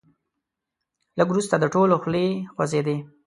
لږ وروسته د ټولو خولې خوځېدې.